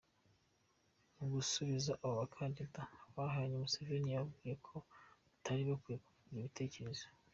Mu gusubiza abo bakandida bahanganye, Museveni yababwiye ko batari bakwiye kuvuga ibyo bitekerereza.